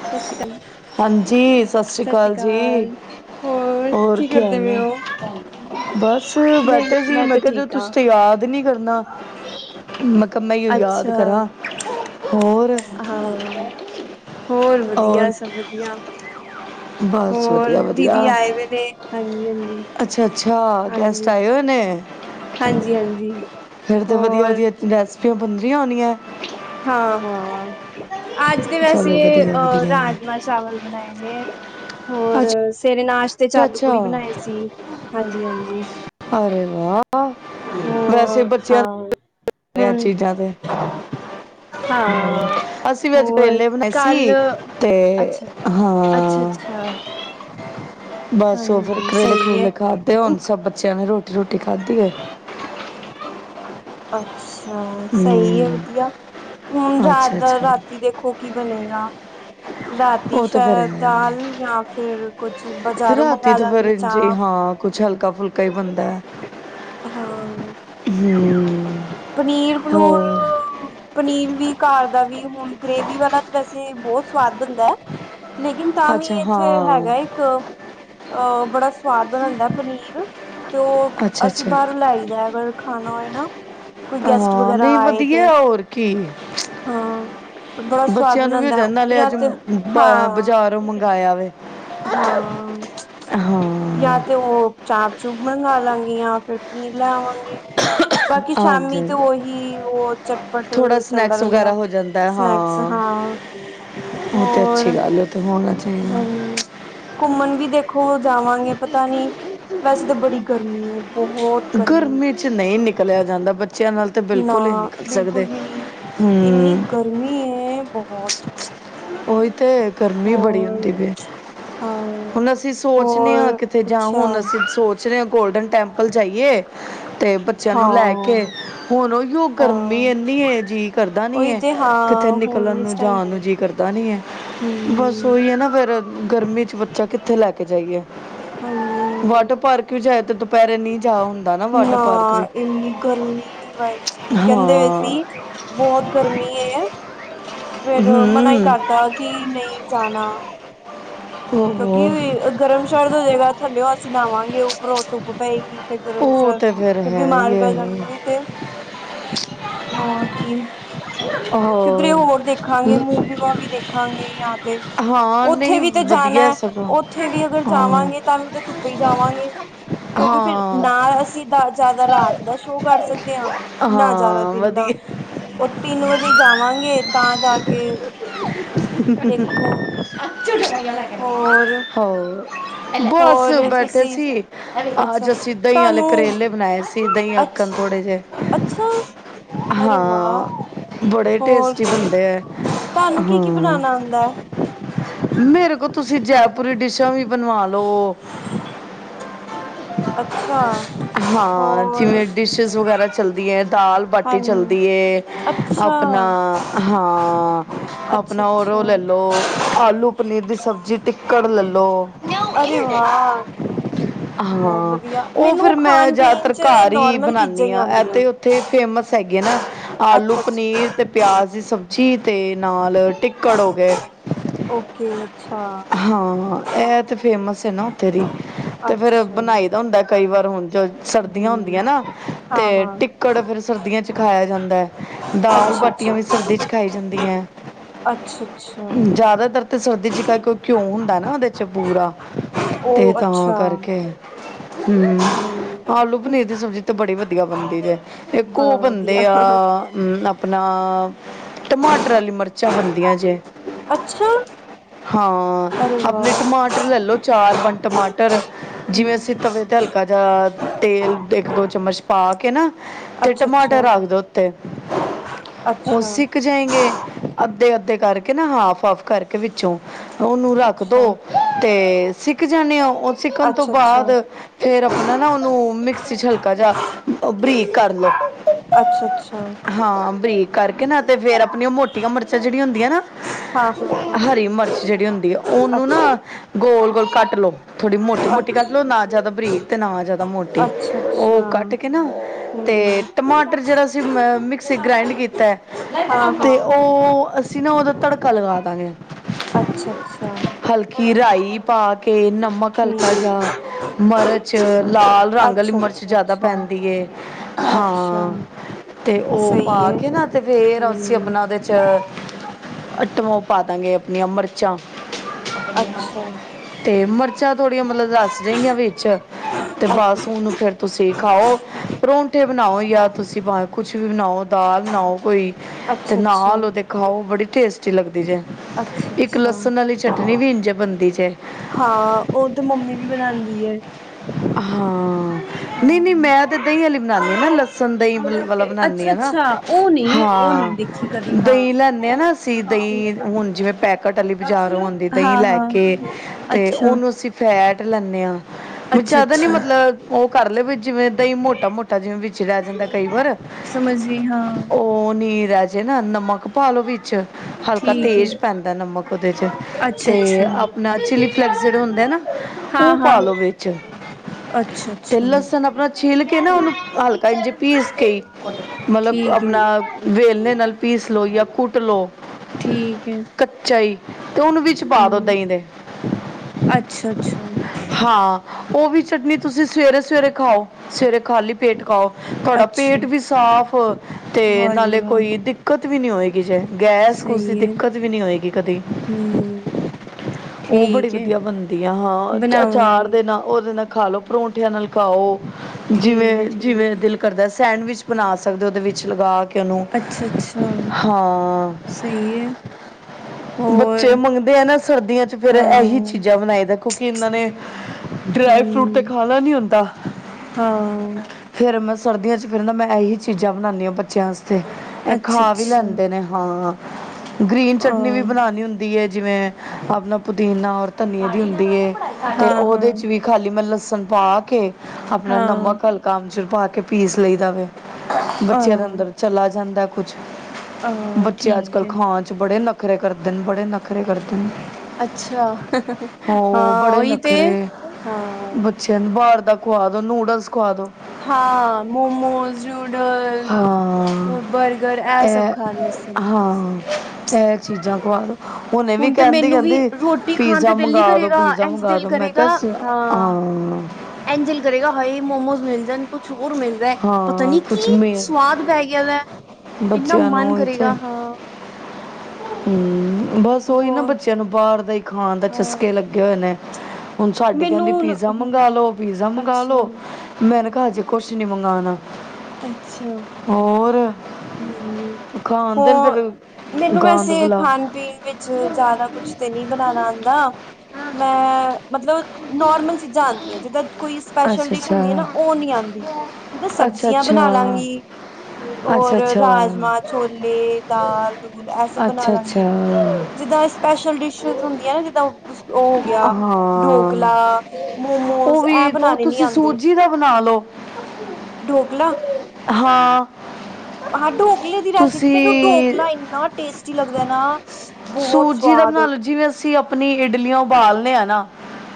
ਸਤਿ ਸ਼੍ਰੀ ਅਕਾਲ। ਹਾਂਜੀ ਸਤਿ ਸ੍ਰੀ ਅਕਾਲ ਜੀ ਹੋਰ ਕੀ ਹਾਲ ਹੈ। ਬਸ ਮੈਂ, ਬੈਠੇ ਸੀ ਮੈਂ ਤਾਂ ਕਿਹਾ ਜਦੋਂ ਠੀਕ ਤੁਸੀ ਹਾਂ। ਤੇ ਯਾਦ ਨੀ ਕਰਨਾ ਮੈਂ ਕਿਹਾ ਮੈਂ ਯਾਦ ਅੱਛਾ, ਕਰਾਂ ਹੋਰ ਹਾਂ ਹੋਰ ਵਧੀਆ ਔਰ ਸਭ ਵਧੀਆ। [inaudible] ਬਸ ਵਧੀਆ ਹੋਰ ਵਧੀਆ ਦੀਦੀ ਆਏ ਦੇ ਨੇ, ਹਾਂਜੀ, ਹਾਂਜੀ, ਅੱਛਾ ਅੱਛਾ ਗੈਸਟ ਹਾਂਜੀ। ਆਏ ਹੋਏ। ਹਾਂਜੀ, ਹਾਂਜੀ, ਫੇਿਰ ਤੇ ਵਧੀਆ ਹੋਰ ਵਧੀਆ ਰੈਸਪੀਆਂ ਬਣਰੀਆਂ ਹੋਣੀਆਂ। ਹਾਂ ਹਾਂ ਅੱਜ ਤਾਂ ਵੈਸੇ ਚਲੋ ਇਹ ਵਧੀਆ ਅਹ ਵਧੀਆ ਰਾਜਮਾਹ ਚਾਵਲ ਬਣਾਏ ਨੇ ਹੋਰ ਅੱਛਾ ਸਵੇਰੇ ਨਾਸ਼ਤੇ ਤੇ ਚਾਲੂ ਅੱਛਾ ਪੂੜੀ ਬਣਾਏ ਸੀ ਹਾਂਜੀ ਹਾਂਜੀ ਅਰੇ ਵਾਹ ਵੈਸੇ ਬੱਚਿਆਂ ਦੀਆਂ ਹਮ ਚੀਜ਼ਾਂ ਤੇ ਹਾਂ ਅਸੀਂ ਵੀ ਅੱਜ ਹੋਰ ਕਰੇਲੇ ਬਣਾਏ ਕੱਲ ਸੀ ਤੇ ਅੱਛਾ ਅੱਛਾ ਹਾਂ ਅੱਛਾ ਬਸ ਉਹ ਫੇਿਰ ਹਾਂਜੀ ਕਰੇਲੇ ਸਹੀ ਹੈ ਕਰੂਲੇ ਖਾਧਦੇ ਹੁਣ ਸਭ ਬੱਚਿਆਂ ਨੇ ਰੋਟੀ ਰੋਟੀ ਖਾਧੀ ਹੈ। ਅੱਛਾ ਸਹੀ ਹੈ ਹਮ ਵਧੀਆਹੁਣ ਅੱਛਾ ਰਾਤ ਦਾ ਅੱਛਾ ਰਾਤੀ ਦੇਖੋ ਕੀ ਬਣੇਗਾ। [inaudible] ਰਾਤੀ ਉਹ ਤਾਂ ਫਿਰ ਸ਼ਾਇਦ ਹੈ ਦਾਲ ਹੀ। ਜਾਂ ਫਿਰ ਕੁਛ ਬਾਜ਼ਾਰੋਂ ਰਾਤੀ ਮੰਗਾ ਤਾਂ ਫਿਰ ਲਾਂਗੇ ਇੰਝ ਹੀ ਚਾਪ ਹਾਂ ਕੁਛ ਹਲਕਾ ਫੁਲਕਾ ਹੀ ਬਣਦਾ ਹੈ। ਹਾਂ। ਹਮ। ਪਨੀਰ ਪਨੂਰ ਪਨੀਰ ਵੀ ਘਰ ਦਾ ਵੀ ਹੁਣ ਗ੍ਰੇਵੀ ਵਾਲਾ ਤਾਂ ਵੈਸੇ ਬਹੁਤ ਸਵਾਦ ਬਣਦਾ ਹੈ। ਲੇਕਿਨ ਤਾਂ ਵੀ ਅੱਛਾ ਇੱਥੇ ਹਾਂ ਹੈਗਾ ਇੱਕ ਅ ਬੜਾ ਸਵਾਦ ਬਣਉਦਾ ਪਨੀਰ ਤੇ ਉਹ ਅੱਛਾ ਅਸੀਂ ਅੱਛਾ ਬਾਹਰੋਂ ਲਾਈ ਦਾ ਅਗਰ ਖਾਣਾ ਹੋਏ ਨਾ। ਕੋਈ ਗੈਸਟ ਹਾਂ ਵਗੈਰਾ ਨਹੀਂ ਆਏ ਤੇ ਵਧੀਆ ਹੋਰ ਕੀ। ਹਾਂ ਬੜਾ ਸਵਾਦ ਬੱਚਿਆਂ ਨੂੰ ਵੀ ਬਣਾਉਂਦਾ ਰ ਨਾਲੇ ਜਾਂ ਅੱਜ ਤੇ ਹਾਂ ਬਾਜ਼ਾਰ ਮੰਗਇਆ ਵ ਹਾਂ ਜਾਂ ਤੇ ਉਹ ਚਾਪ ਚੂਬ ਮੰਗਾ ਲਾਂਗੇ ਜਾਂ ਫਿਰ ਪਨੀਰ ਲੈਵਾਂਗੇ। ਬਾਕੀ ਅੱਜ ਸ਼ਾਮੀ ਤੇ ਉਹੀ ਉਹ ਚਟਪਟ ਥੋੜਾ ਚੱਲਦਾ ਸਨੈਕਸ ਰਹਿੰਦਾ ਵਗੈਰਾ ਹੈ। ਹੋ ਜਾਂਦਾ ਸਨੈਕਸ ਹਾਂ ਹਾਂ ਉਹ ਤੇ ਹੋਰ ਅੱਛੀ ਗੱਲ ਤੇ ਹੁਣ ਹਾਂਜੀ ਘੁੰਮਣ ਵੀ ਦੇਖੋ ਜਾਵਾਂਗੇ ਪਤਾ ਨੀ ਵੈਸੇ ਤਾਂ ਬੜੀ ਗਰਮੀ ਹੈ ਬਹੁਤ ਗਰਮੀ ਚ ਨਹੀਂ ਨਿਕਲਿਆ ਜਾਂਦਾ ਬੱਚਿਆਂ ਨਾਲ ਤੇ ਨਾ ਬਿਲਕੁਲ ਹੀ ਨਿਕਲ ਬਿਲਕੁਲ ਸਕਦੇ ਵੀ ਨਹੀਂ ਇੰਨੀ ਹਮ ਗਰਮੀ ਹੈ ਬਹੁਤ ਉਹੀ ਤੇ ਗਰਮੀ ਬੜੀ ਹੋਰ ਹੁੰਦੀ ਪਈ ਹਾਂ ਹੁਣ ਅਸੀਂ ਸੋਚਦੇ ਹਾਂ ਹੋਰ ਕਿਤੇ ਜਾਂ ਅੱਛਾ ਹੁਣ ਅਸੀਂ ਸੋਚ ਜ ਗੋਲਡਨ ਟੈਂਪਲ ਜਾਈਏ ਅਤੇ ਹਾਂ ਹੁਣ ਹੀ ਉਹ ਗਰਮੀ ਹਾਂ ਇੰਨੀ ਜੀਅ ਕਰਦਾ ਉਹੀ ਨੀ ਤੇ ਕਿੱਥੇ ਹਾਂ ਨਿਕਲਣ ਹੁਣ ਇਸ ਨੂੰ ਟਾਈਮ ਜਾਣ ਹਮ ਨੂੰ ਜੀਅ ਕਰਦਾ ਨੀ ਹੈ ਬਸ ਉਓਹੀ ਹੈ ਨਾ ਫੇਿਰ ਗਰਮੀ ਚ ਬੱਚਾ ਕਿੱਥੇ ਲੈ ਕੇ ਜਾਈਏ ਹਾਂਜੀ ਵਾਟਰ ਹਾਂਜੀ ਪਾਰਕ ਵੀ ਜਾਏ ਤੇ ਦੁਪਹਿਰੇ ਨੀ ਨਾ ਇੰਨੀ ਗਰਮੀ ਵਾਹਿਗੁਰੂ ਕਹਿੰਦੇ ਵਏ ਹਾਂ ਸੀ। ਬਹੁਤ ਗਰਮੀ ਏ, ਫੇਿਰ ਮਨਾ ਹੀ ਹਮ ਕਰਤਾ। ਕਿ ਨਹੀਂ ਜਾਣਾ- ਹੋਰ ਕਿਉਂਕਿ ਗਰਮ ਸ਼ਰਦ ਹੋ ਜਾਏਗਾ ਥੱਲਿਓ ਅਸੀਂ ਨਹਾਵਾਂਗੇ ਉਪਰੋਂ ਧੁੱਪ ਪਏਗੀ। ਫ ਗਰਮ ਉਹ ਸਰਦ ਤੇ ਫਿਰ ਫ ਬਿ ਹੈ ਹੀ ਮਾਰ ਪੈ ਜਾਂਗੇ ਹੈ ਤੇ ਹੋ ਕੀ ਕਿੱਧਰੇ ਹੋਰ ਦੇਖਾਂਗੇ ਮੂਵੀ ਮਾਵੀ ਦੇਖਾਂਗੇ ਜਾਂ ਹਾਂ ਉੱਥੇ ਨਹੀਂ ਵੀ ਤੇ ਵਧੀਆ ਜਾਣਾ, ਸਗੋਂ ਉੱਥੇ ਵੀ ਅਗਰ ਹਾਂ ਜਾਵਾਂਗੇ ਤਾਂ ਵੀ ਤੇ ਤੁੁੱਪ ਹੀ ਜਾਵਾਂਗੇ- ਕਿਉਂਕਿ ਫਿਰ ਹਾਂ ਨਾ ਅਸੀਂ ਦਾ ਜ਼ਿਆਦਾ ਰਾਤ ਦਾ ਸ਼ੋਅ ਕਰ ਸਕਦੇ ਹਾਂ ਨਾ ਜ਼ਿਆਦਾ ਹਾਂ ਦਿਨ ਦਾ ਵਧੀਆ ਉਹ ਤਿੰਨ ਵਜੇ ਜਾਵਾਂਗੇ ਤਾਂ ਜਾ ਕੇ, ਦੇਖੋ ਅੱਛ [unintelligible] ਹੋਰ ਹਾਂ- ਬ ਬੱਸ ਹੋਰ ਬੈਠੇ ਤੁਸੀਂ ਸੀ। ਅੱਛਾ ਅੱਜ ਅਸੀਂ ਦਹੀਂ ਵਾਲੇ ਤੁਹਾਨੂੰ ਕਰੇਲੇ ਬਣਾਏ ਸੀ ਦਹੀਂਆਂ- ਅੱਛ ਕਮ, ਥੋੜੇ ਜਿਹੇ। ਅੱਛਾ! ਅਰੇ ਵਾਹ ਹਾਂ, ਬੜੇ ਹੋਰ ਟੇਸਟੀ ਬਣਦੇ ਹੈ, ਤੁਹਾਨੂੰ ਕੀ ਕੀ ਹਾਂ। ਬਣਾਉਣਾ ਆਉਂਦਾ ਹੈ [inaudible] ਮੇਰੇ ਕੋ ਤੁਸੀਂ ਜੈਪੁਰੀ ਡਿਸ਼ਾਂ ਵੀ ਬਣਵਾ ਲੋ। ਅੱਛਾ! ਹਾਂ, ਹੋਰ ਜਿਵੇਂ ਡਿਸ਼ਿਜ਼ ਵਗੈਰਾ ਚੱਲਦੀ ਏ। ਦਾਲ - ਬਾਟੀ ਹਾਂਜੀ ਚੱਲਦੀ ਏ। ਅੱਛਾ ਆਪਣਾ, ਹਾਂ ਅੱਛਾ ਆਪਣਾ ਔਰੋ ਅੱਛਾ ਲੈ ਲੋ। ਹੋਰ, ਆਲੂ - ਪਨੀਰ ਦੀ ਸਬਜ਼ੀ, ਟਿੱਕੜ ਲੈ ਲਓ। ਅਰੇ ਵਾਹ ਬਹੁਤ ਹਾਂ ਵਧੀਆ ਉਹ ਮੈਨੂੰ ਫਿਰ ਮੈਂ ਖਾਣ ਪੀਣ ਜ਼ਿਆਦਾਤਰ ਚ ਘਰ ਹੀ ਨੋਰਮਲ ਚੀਜ਼ਾਂ ਬਣਾਉਦੀ ਹੀ ਹਾਂ ਇਹ ਆਉਂਦੀਆਂ ਤੇ ਉੱਥੇ ਫੇਮਸ ਹੈਗੇ ਨਾ ਆਲੂ ਅੱਛਾ ਅੱਛਾ ਪਨੀਰ ਅਤੇ ਪਿਆਜ਼ ਦੀ ਸਬਜ਼ੀ ਦੇ ਨਾਲ ਟਿੱਕੜ ਹੋ ਗਏ ਓਕੇ ਅੱਛਾ ਹਾਂ, ਇਹ ਤੇ ਫੇਮਸ ਹੈ ਨਾ ਉੱਥੇ ਦੀ ਤੇ ਫੇਰ ਅੱਛਾ ਬਣਾਈ ਦਾ ਹੁੰਦਾ ਕਈ ਵਾਰ ਹੁਣ ਜੋ ਸਰਦੀਆਂ ਹਮ ਹੁੰਦੀਆਂ ਨਾ, ਹਾਂ ਤੇ ਹਾਂ ਘੜ ਫਿਰ ਸਰਦੀਆਂ ਚ ਖਾਇਆ ਜਾਂਦਾ ਹੈ ਦਾਲ ਅੱਛਾ ਬਾਟੀਆਂ ਅੱਛਾ ਵੀ ਸਰਦੀ ਚ ਖਾਈ ਜਾਂਦੀਆਂ ਅੱਛਾ ਅੱਛਾ ਜਿਆਦਾਤਰ ਤੇ ਸਰਦੀ ਚ ਕ ਕੋਈ ਘਿਉਂ ਹੁੰਦਾ ਨਾ ਉਹਦੇ ਚ ਪੂਰਾ ਤੇ ਉਹ ਤਾਂ ਅੱਛਾ ਕਰਕੇ ਹੂੰ, ਆਲੂ - ਪਨੀਰ ਦੀ ਸਬਜ਼ੀ ਤੇ ਬੜੀ ਵਧੀਆ ਬਣਦੀ ਹੈ। ਇਕ ਬੜਾ ਉਹ ਵਧੀਆ ਬਣਦੇ ਆ ਹੂੰ, ਆਪਣਾ ਟਮਾਟਰ ਆਲੀ ਮਿਰਚਾਂ ਬਣਦੀਆਂ ਜੇ। ਅੱਛਾ ਹਾਂ, ਅਰੇ ਆਪਣੇ ਟਮ ਵਾਹ ਟਮਾਟਰ ਲੈ ਲੋ। ਚਾਰ -ਪੰਜ ਟਮਾਟਰ। ਜਿਵੇਂ ਅਸੀਂ ਤਵੇ ਤੇ ਹਲਕਾ ਜਿਹਾ ਤੇਲ, ਇੱਕ- ਦੋ ਚਮਚ ਪਾ ਕੇ ਨਾ। ਤੇ ਟਮਾਟਰ ਅੱਛਾ ਰੱਖ ਦੋ ਉਥੇ, ਅੱਛਾ ਉਸ ਅੱਛਾ ਸਿਕ ਜਾਏਗੇ, ਅੱਧੇ - ਅੱਧੇ ਕਰਕੇ ਨਾ। ਹਾਫ- ਹਾਫ ਕਰਕੇ ਵਿੱਚੋਂ। ਉਹਨੂੰ ਰੱਖ ਅੱਛਾ ਦੋ, ਤੇ ਸਿੱਕ ਜਾਂਨੇ ਉ। ਉਹ ਸਿੱਕਣ ਤੋਂ ਅੱਛਾ ਬਾਅਦ। ਫੇਰ ਆਪਣਾ, ਨਾ ਉਹਨੂੰ ਮਿਕਸੀ 'ਚ ਹਲਕਾ ਜਿਹਾ ਬਰੀਕ ਕਰਲੋ। ਅੱਛਾ - ਅੱਛਾ। ਹਾਂ, ਬਰੀਕ ਕਰਕੇ ਨਾ। ਤੇ ਫੇਰ ਆਪਣੀਆਂ ਮੋਟੀਆਂ ਮਿਰਚਾਂ ਜਿਹੜੀਆਂ ਹੁੰਦੀਆਂ ਨਾ। ਹਾਂ ਹਾਂ ਹਾਂ ਹਰੀ ਮਿਰਚ ਜਿਹੜੀ ਹੁੰਦੀ ਹੈ, ਉਹਨੂੰ ਨਾ ਅੱਛਾ ਗੋਲ - ਗੋਲ ਕੱਟ ਲੋੋ। ਇਹ ਥੋੜ੍ਹੀ ਮੋਟੀ- ਮੋਟੀ ਕੱਟ ਲਓ ਅੱਛਾ ਨਾ। ਜਿਆਦਾ ਬਰੀਕ ਤੇ ਨਾ ਜਿਆਦਾ ਮੋਟੀ। ਅੱਛਾ ਉਹ ਅੱਛਾ ਕੱਟ ਕੇ ਨਾ ਤੇ ਹਮ ਟਮਾਟ ਜਿਹੜਾ ਅਸੀਂ ਮਿਕਸੀ ਗ੍ਰਾਈੰਡ ਕੀਤਾ, ਹਾਂ ਹਾਂ ਤੇ ਉਹ ਅਸੀਂ ਨਾ, ਉਹਦਾ ਤੜ ਧੱਕਾ ਲਗਾ ਤ ਅੱਛਾ ਅੱਛਾ [unintelligible] ਹਲਕੀ ਰਾਈ ਪਾ ਕੇ, ਨਮਕ ਹਲਕਾ ਜਾ। ਠੀਕ ਹੈ ਮਰਚ ਲਾਲ ਰੰਗ ਵਾਲੀ ਅੱਛਾ ਮਰਚ ਅੱਛਾ ਜ਼ਿਆਦਾ ਅੱਛਾ ਪੈਂਦੀ ਹੈ, ਹਾਂ। ਅੱਛਾ ਤੇ ਉਹ ਪਾ ਸਹੀ ਹੈ ਕੇ ਨਾ, ਤੇ ਫੇਰ ਅਸੀ ਹਮ ਆਪਣਾ ਉਹਦੇ 'ਚ ਅਠ ਨੋਂ ਓ ਪਾ ਦਾਂਗੇ ਆਪਣੀਆਂ ਮਿਰਚਾਂ। ਅੱਛਾ ਤੇ ਮਿਰਚਾਂ ਥੋੜੀਆਂ ਮਤਲਬ ਰਸ ਜੇਗੀਆਂ ਵਿੱਚ। ਤੇ ਬਸ ਅੱਛਾ ਉਹਨੂੰ ਫੇਰ ਤੁਸੀਂ ਖਾਓ ਪਰੋਂਂਠੇ ਬਣਾਓ, ਜਾਂ ਤੁਸੀਂ ਕੁਛ ਵੀ ਬਣਾਓ ਦਾਲ ਬਣਾਓ ਕੋਈ ਅੱਛਾ ਤੇ ਅੱਛਾ ਅੱਛਾ ਨਾਲ ਓਹਦੇ ਖਾਓ, ਬੜੀ ਟੇਸਟੀ। ਲੱਗਦੀ ਜੇ ਇੱਕ ਅੱਛਾ ਲਸਣ ਵਾਲੀ ਚਟਨੀ ਵੀ ਇੰਜ ਬਣਦੀ ਜੇ? ਹਾਂ ਉਹ ਤੇ ਮੰਮੀ ਵੀ ਬਣਾਂਦੀ ਏ। ਹਾਂ। ਨਹੀਂ ਨਹੀਂ, ਹਾਂ ਮੈਂ ਤੇ ਦਹੀਂ ਆਲੇ ਬਣਾਨੀ ਆ ਨਾ ਲਸਣ ਦਹੀਂ ਵਾਲਾ ਬਣਾਨੀ ਅੱਛਾ ਆ ਨਾ। ਅੱਛਾ ਉਹ ਨਹੀਂ ਉਹ ਹਾਂ, ਨਹੀਂ ਦੇਖੀ ਕਦੀ ਹਾਂ ਦਹੀਂ ਲੈਂਨੇ ਆ ਨਾ ਅਸੀਂ ਦਹੀਂ ਹੁਣ ਜਿਵੇਂ ਪੈਕ। ਕਟਲ ਵੀ ਬਜ਼ਾਰੋਂ ਆਂਦੀ ਦਹੀਂ ਹਾਂ ਲੈ ਕੇ, ਹਾਂ ਤੇ ਅੱਛਾ ਉਹਨੂੰ ਅਸੀਂ ਫੈਟ ਲੈਂਦੇ ਹਾਂ। ਵੀ ਅੱਛਾ ਜਿਆਦਾ ਨੀ ਅੱਛਾ ਮਤਲਬ ਉਹ ਕਰ ਲਵੇ ਜਿਵੇਂ ਦਹੀਂ ਮੋਟਾ-ਮੋਟਾ ਜਿਵੇਂ ਵਿੱਚ ਰਹਿ ਜਾਂਦਾ ਕਈ ਵਾਰ ਸਮਝ ਗਈ ਹਾਂ ਉਹ ਨੀ ਰਹਿ ਜੇ ਨਾ ਨਮਕ ਪਾਲੋ ਵਿੱਚ ਹਲਕਾ ਠੀਕ ਹੈ ਤੇਜ਼ ਪੈਂਦਾ ਏ ਨਮਕ ਉਹਦੇ ਚ। ਅੱਛਾ ਤੇ ਅੱਛਾ ਆਪਣਾ ਚਿੱਲੀ ਫਲੇੇਕਸ ਜਿਹੜੇ ਹੁੰਦੇ ਨਾ ਹਾਂ ਉਹ ਹਾਂ ਪਾ ਲਓ ਵਿੱਚ ਅੱਛਾ ਤੇ ਅੱਛਾ ਲਸਣ ਆਪਣਾ ਛਿੱਲ ਕੇ ਨਾ, ਉਹਨੂੰ ਹਲਕਾ ਇੰਜੇੰ ਪੀਸ ਕੇ ਮਤਲਬ ਠੀਕ ਹੈ ਆਪਣਾ ਵੇਲਣੇ ਨਾਲ ਪੀਸ ਲਓ ਜਾਂ ਕੁੱਟ ਲੋ। ਠੀਕ ਐ ਕੱਚਾ ਈ ਤੇ ਉਹਨੂੰ ਵਿੱਚ ਪਾ ਦੋ ਦਹੀਂ ਦੇ ਅੱਛਾ ਅੱਛਾ ਹਾਂ, ਉਹ ਵੀ ਚਟਣੀ ਤੁਸੀਂ ਸਵੇਰੇ ਸਵੇਰੇ ਖਾਓ ਸਵੇਰੇ ਖਾਲੀ ਤੁਹਾਡਾ ਅੱਛਾ ਪੇਟ ਵੀ ਸਾਫ਼ ਤੇ ਵਾਹ ਜੀ ਨਾਲੇ ਵਾਹ ਕੋਈ ਦਿਕ ਕੁਛ ਵੀ ਨਹੀਂ ਹੋਏਗੀ ਜੇ ਗੈਸ ਗੁਸ ਦੀ ਸਹੀ ਹੈ ਦਿੱਕਤ ਵੀ ਨਹੀਂ ਹੋਏਗੀ ਕਦੇ। ਹਮ ਉਹ ਬੜੀ ਠੀਕ ਹੈ ਵਧੀਆ ਬਣਦੀ ਆ, ਹਾਂ ਅਚਾਰ ਬਣਾਵਾਂਗੀ ਦੇ ਨਾਲ। ਉਹਦੇ ਨਾਲ ਖਾ ਲਓ ਪਰੌਠਿਆਂ ਨਾਲ ਖਾਓ ਠੀਕ ਹੈ ਜਿਵੇਂ ਜਿਵੇਂ ਠੀਕ ਹੈ ਦਿਲ ਕਰਦਾ? ਸੈਂਡਵਿਚ ਬਣਾ ਸਕਦੇ ਹੋ, ਉਹਦੇ ਵਿੱਚ ਲਗਾ ਕੇ। ਕੇ ਓਹਨੂੰ ਅੱਛਾ-ਅੱਛਾ ਹਾਂ। ਸਹੀ ਹੈ ਹੋਰ ਬੱਚੇ ਮੰਗਦੇ ਆ ਨਾ ਸਰਦੀਆਂ 'ਚ ਫਿਰ ਹਾਂ ਇਹੀ ਚੀਜ਼ਾਂ ਬਣਾਈ ਦਾ, ਕਿਉਂਕਿ ਇਹਨਾਂ ਨੇ ਡਰਾਈ ਫਰੂਟ ਤੇ ਹੂੰ ਖਾਣਾ ਨਹੀਂ ਹੁੰਦਾ। ਹਾਂ ਫਿਰ ਮੈਂ ਸਰਦੀਆਂ 'ਚ ਫਿਰ ਨਾ ਮੈਂ ਐਹੀ ਚੀਜ਼ਾਂ ਬਣਾਂਦੀ ਆ ਬੱਚਿਆਂ ਵਾਸਤੇ ਐਹ ਖਾ ਵੀ ਅੱਛਾ-ਅੱਛਾ ਲੈਂਦੇ ਨੇ। ਹਾਂ, ਗ੍ਰੀਨ ਅ ਚਟਨੀ ਵੀ ਬਨਾਣੀ ਹੁੰਦੀ ਹੁੰਦੀ ਏ ਜਿਵੇਂ ਆਪਣਾ ਪੁਦੀਨਾ ਔਰ ਧਨੀਏ ਦੀ ਹੁੰਦੀ ਏ। ਤੇ ਹਾਂ-ਹਾਂ ਉਹਦੇ 'ਚ ਵੀ ਖਾਲੀ ਮੈਂ ਲਸਣ ਪਾ ਕੇ ਆਪਣਾ ਹਾਂ ਨਮਕ ਹਲਕਾ ਅਮਚੂਰ ਪਾ ਕੇ ਪੀਸ ਲਈਦਾ ਵੇ ਬੱਚਿਆਂ ਦੇ ਅੰਦਰ ਚਲਾ ਜਾਂਦਾ, ਕੁਛ ਅ-ਅ ਬੱਚੇ ਅੱਜ ਠੀਕ ਕੱਲ੍ਹ ਹੈ ਖਾਣ ਚ ਬੜੇ ਨ ਖਰੇ ਕਰਦੇ ਨੇ ਬੜੇ ਨਖਰੇ ਕਰਦੇ ਨੇ। ਅੱਛਾ ਹਾਂ ਹੋ ਬੜੇ ਓਹੀ ਤੇ ਨਖਰੇ ਹਾਂ ਬੱਚਿਆਂ ਨੂੰ ਬਾਹਰ ਦਾ ਖਵਾ ਦੋ ਨੂਡਲਸ ਖਵਾ ਦੋ ਹਾਂ ਮੋਮੋਜ਼, ਨੂਡਲਜ਼ ਹਾਂ ਬਰਗਰ ਇਹ ਸਭ ਖਾਣ ਵਾਸਤੇ ਨੇ ਬਸ। ਐ, ਚੀਜ਼ਾਂ ਖੁਆ ਦੋ ਹੁਣ ਏ ਵੀ ਤੇ ਕਹਿੰਦੇ ਆ ਮੈਨੂੰ ਵੀ ਕਹਿੰਦੇ ਰੋਟੀ ਖਾਣ ਤੇ ਪੀਜ਼ਾ ਦਿਲ ਨੀ ਮੰਗਾ ਦੋ ਕਰੇਗਾ ਪੀਜ਼ਾ ਇੰਝ ਮੰਗਾ ਦਿਲ ਦੋ ਮੈਂ ਕਰੇਗਾ ਕਿਹਾ ਸ- ਹਾਂ, ਹਾਂ ਐੰਜਲ ਕਰੇਗਾ ਹਾਏ ਮੋਮੋਸ ਮਿਲ ਜਾਣ ਕੁਛ ਹੋਰ ਮਿਲ ਪਤਾ ਹਾਂ ਨੀ ਕੁਛ ਕੀ ਮੇ ਸੁਆਦ ਪੈ ਗਿਆ ਦਾ ਇੰਨਾ ਮਨ ਕਰੇਗਾ ਹਾਂ ਹੂੰ, ਬਸ ਉਹੀ ਨਾ ਹੋਰ ਬੱਚਿਆਂ ਨੂੰ ਬਾਹਰ ਦਾ ਹੀ ਖਾਣ ਦਾ ਹਾਂ ਚਸਕੇ ਲੱਗੇ ਹੋਏ ਨੇ। ਹੁਣ ਸਾਡੀ ਮੈਨੂੰ ਕਹਿੰਦੀ ਹੁਣ ਪੀਜ਼ਾ ਮੰਗਾ ਹਮ ਲੋ ਪੀਜ਼ਾ ਮੰਗਾ ਅੱਛਾ ਲੋੋ ਮੈਂਨੇ ਕਿਹਾ ਅਜੇ ਕੁਛ ਨੀ ਮੰਗਾਣਾ ਅੱਛਾ ਹੋਰ ਖਾਣ ਹੋ ਦੇਣ ਫਿਰ ਮੈਨੂੰ ਗਾਂਦ ਵੈਸੇ ਬਲਾ ਖਾਣ ਪੀਣ ਵਿੱਚ ਚ ਜਿਆਦਾ ਕੁਛ ਤੇ ਨਹੀਂ ਬਣਾਉਣਾ ਆਉਂਦਾ। ਮੈਂ, ਮਤਲਬ ਨੋਰਮਲ ਚੀਜ਼ਾਂ ਆਉਂਦੀਆਂ ਨੇ। ਕੋਈ ਸਪੈਸ਼ਲ ਅੱਛਾ ਡਿਸ਼ ਹੁੰਦੀ ਅੱਛਾ ਏ ਨਾ, ਉਹ ਨੀ ਆਉਂਦੀ ਜਿੱਦਾਂ ਅੱਛਾ ਸਬਜ਼ੀਆਂ ਬਣਾ ਅੱਛਾ ਲਾਂਗੀ। ਹੋਰ ਅੱਛਾ ਅੱਛਾ ਰਾਜਮਾਂ, ਛੋਲੇ, ਦਾਲ -ਦੂਲ ਇਹ ਸਭ ਬਣਾ ਅੱਛਾ ਅੱਛਾ ਲਾਂਗੀ। ਜਿੱਦਾਂ ਇਹ ਸਪੈਸ਼ਲ ਡਿਸ਼ਿਜ਼ ਹੁੰਦੀਆਂ ਨਾ, ਜਿੱਦਾਂ। ਉਹ ਹੋ ਗਿਆ। ਹਾਂ ਢੋਕਲਾ, ਉਹ ਮੋਮੋਜ਼ ਇਹ ਵੀ ਉਹ ਬਣਾਣੇ ਨੀ ਤੁਸੀਂ ਆਉਂਦੇ। ਸੂਜੀ ਦਾ ਬਣਾ ਲਓ ਢੋਕਲਾ। ਹਾਂ। ਹਾਂ ਢੋਕਲੇ ਦੀ ਰੈਸਿਪੀ, ਮੈਨੂੰ ਤੁਸੀਂ ਢੋਕਲਾ ਇੰਨਾ ਟੇਸਟੀ ਲੱਗਦਾ ਏ ਨਾ। ਬਹੁਤ ਸੂਜੀ ਦਾ ਸਵਾਦ ਬਣਾ ਲੋ। ਜਿਵੇਂ ਅਸੀਂ ਆਪਣੀ ਇਡਲੀਆਂ ਉਬਾਲਦੇ ਆ ਨਾ।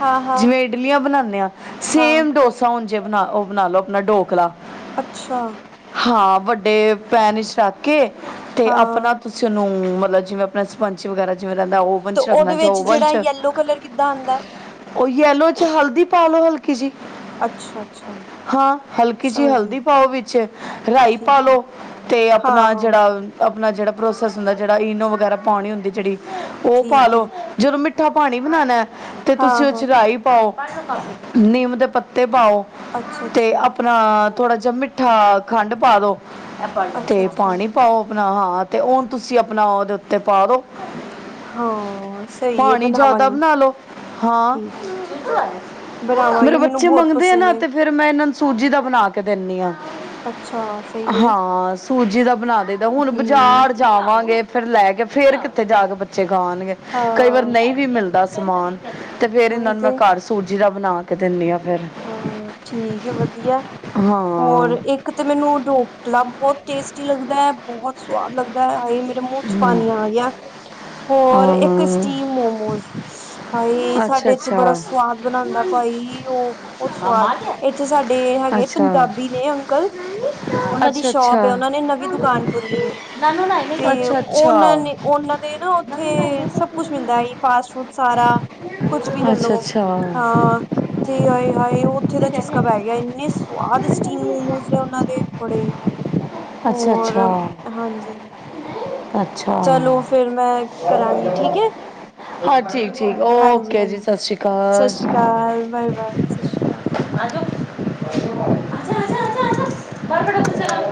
ਹਾਂ-ਹਾਂ, ਜਿਵੇਂ ਇਡਲੀਆਂ ਬਣਾਦੇ ਆ। ਹਾਂ ਹਾਂ ਸੇਮ ਡੋਸ ਸਾਨ ਜੇ ਬਣਾ ਦੋ ਉਹ ਬਣਾ ਲੋ ਆਪਣਾ ਢੋਕਲਾ। ਅੱਛਾ। ਹਾਂ, ਵੱਡੇ ਪੈਣ ਵਿਚ ਰੱਖ ਕੇ ਤੇ, ਹਾਂ ਆਪਣਾ ਤੁਸੀਂ ਉਹਨੂੰ ਮਤਲਬ ਜਿਵੇਂ। ਅਪਣਾ ਸਪੰਚ ਵਗੈਰਾ ਜਿਵੇਂ ਰਹਿੰਦਾ। ਓਵਨ ਚ ਰੱਖਣਾ ਉਹਦੇ ਤੇ ਵਿੱਚ ਓਵਨ ਜਿਹੜਾ ਚ। ਯੈਲੋ ਕਲਰ ਕਿੱਦਾਂ ਆਂਦਾ ਉਹ ਯਲੋ ਚ ਹਲਦੀ ਪਾ ਲੋੋ ਹਲਕੀ ਜਿਹੀ। ਅੱਛਾ-ਅੱਛਾ ਹਾਂ, ਹਲਕੀ ਜਿਹੀ ਸਮਝ ਗਈ ਹਲਦੀ ਪਾਓ ਵਿੱਚ, ਰਾਈ ਪਾ ਠੀਕ ਹੈ ਲੋ। ਤੇ ਆਪਣਾ ਹਾਂ-ਹਾਂ ਜਿਹੜਾ। ਆਪਣਾ ਜਿਹੜਾ ਪ੍ਰੋਸੈਸ ਹੁੰਦਾ, ਜਿਹੜਾ ਇਨੋ ਵਗੈਰਾ ਪਾਣੀ ਹੁੰਦੀ, ਜਿਹੜੀ ਉਹ ਠੀਕ ਪਾਾਲੋ ਹੈ ਜਦੋਂ ਮਿੱ ਮਿੱਠਾ ਪਾਣੀ ਬਣਾਉਣਾ। ਤੇ ਤੁਸੀਂ ਉਹ ਚ ਹਾਂ-ਹਾਂ ਰਹੀ ਪਾਓ ਨਿੰਮ ਦੇ ਪੱਤੇ ਪਾਓ। ਤੇ ਅੱਛਾ-ਅੱਛਾ ਆਪਣਾ ਥੋੜਾ ਜਿਹਾ ਮਿੱਠਾ ਖੰਡ ਪਾ ਦੋ। ਤੇ ਅੱਛਾ-ਅੱਛਾ ਪਾਣੀ ਪਾਓ ਆਪਣਾ। ਹਾਂ ਤੇ, ਉਹਨੂੰ ਤੁਸੀਂ ਆਪਣਾ ਉਹਦੇ ਉੱਤੇ ਪਾ ਦੋ। ਹਾਂ ਸਹੀ ਹੈ ਪਾਣੀ ਜਿਆਦਾ ਬਣਾਵਾਂਗੀ ਬਣਾ ਲੋ। ਹਾਂ। ਠੀਕ ਹੈ। ਮੇਰੇ ਬਣਾਵਾਂਗੀ ਮੈਨੂੰ ਬੱਚੇ ਬਹੁਤ ਮੰਗਦੇ ਆ ਪਸੰਦ ਨਾ। ਹੈ ਤੇ ਫੇਰ ਮੈਂ ਇਹਨਾਂ ਨੂੰ ਸੂਜੀ ਦਾ ਬਣਾ ਕੇ ਦੇਣੀ ਆਂ। ਅੱਛਾ ਸਹੀ ਹੈ ਹਾਂ ਸੂਜੀ ਦਾ ਬਣਾ ਦੇਈਦਾ। ਹੁਣ ਬਾਜ਼ਾਰ ਹੂੰ। ਜਾਵਾਂਗੇ ਫੇਰ ਲੈ ਕੇ, ਫੇਰ ਕਿੱਥੇ ਜਾ ਕੇ ਬੱਚੇ ਖਾਣਗੇ। ਕਈ ਵਾਰ ਹਾਂ ਨਹੀਂ ਵੀ ਮਿਲਦਾ। ਸਮਾਨ। ਤੇ ਫੇਰ ਉਹੀ ਇਹਨਾਂ ਨੂੰ ਮੈਂ ਤੇ ਘਰ ਸੂਜੀ ਦਾ ਬਣਾ ਕੇ ਦਿੰਦੀ ਹਾਂ। ਫੇਰ, ਹਾਂ ਠੀਕ ਏ ਵਧੀਆ ਹੋਰ ਹਾਂ ਕੀ। ਇਕ ਤੇ ਮੈਨੂੰ ਢੋਕਲਾ ਬਹੁਤ ਟੇਸਟੀ ਲੱਗਦਾ ਹੈ। ਬਹੁਤ ਸੁਵਾਦ ਲੱਗਦਾ ਏ। ਆਏ ਮੇਰੇ ਮੂੰਹ ਚ ਪਾਣੀ ਆ ਗਿਆ। ਹੋਰ ਇੱਕ, ਹਾਂ ਸਟੀਮ ਮੋਮੋਸ। ਹਾਏ, ਅੱਛਾ ਸਾਡੇ ਇੱਥੇ ਬੜਾ ਅੱਛਾ ਸਵਾਦ ਬਣਾਉਂਦਾ ਭਾਈ, ਉਹ। ਬਹੁਤ ਮਾਮਾ ਸਵਾਦ। ਆ ਗਿਆ ਇੱਥੇ ਸਾਡੇ ਹੈਗੇ ਅੱਛਾ ਪੰਜਾਬੀ ਨੇ ਅੰਕਲ। ਉਹਨਾਂ ਦੀ ਅੱਛਾ ਸ਼ੋਪ ਅੱਛਾ ਹੈ। ਉਹਨਾਂ ਨੇ ਨਵੀਂ ਦੁਕਾਨ ਖੋਲੀ ਹੈ। ਨਾਨੂ ਨਾ ਇਹਨੇ ਤੇ ਅੱਛਾ ਉਹਨਾਂ ਅੱਛਾ ਨੇ ਉਹਨਾਂ ਦੇ ਨਾ ਨਾਨੂ ਨਾ ਉੱਥੇ ਸਭ ਕੁਛ ਮਿਲਦਾ ਇਹਨੇ ਐ। ਫਾਸਟ ਫੂਡ ਸਾਰਾ ਕੁਛ ਵੀ ਅੱਛਾ ਲੈਲੋ। ਅੱਛਾ ਹਾਂ, ਤੇ ਹਾਏ- ਹਾਏ ਉੱਥੇ ਤੇ ਦਾ ਚਸਕਾ ਪੈ ਜਾਣੇ ਗਿਆ। ਇੰਨੇ ਆਅਦ ਸਟੀਮ ਮੋਮੋਜ ਨੇ ਉਹਨਾਂ ਦੇ ਬੜੇ। ਅੱਛਾ- ਹੋਰ ਅੱਛਾ ਹਾਂਜੀ ਅ- ਅੱਛਾ ਚਲੋ ਫਿਰ ਮੈਂ ਕਰਾਂਗੀ ਠੀਕ ਹੈ ਹਾਂ ਠੀਕ। ਠੀਕ ਹਾਂਜੀ- ਓਕੇ ਜੀ, ਹਾਂਜੀ ਸਤਿ ਸ਼੍ਰੀ ਅਕਾਲ। ਸਤਿ ਸ਼੍ਰੀ ਅਕਾਲ, ਬਾਏ- ਬਾਏ ਸਤਿ ਸ਼੍ਰੀ ਅਕਾਲ। ਆ ਜਾਓ, ਆ ਜਾ ਆ ਜਾ ਆ ਜਾ, ਬਾਹਰ ਬੈਠੋ ਤੁਸੀਂ।